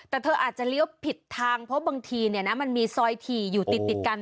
แต่เธออาจจะเลี้ยวผิดทางเพราะบางทีมันมีซอยถี่อยู่ติดกัน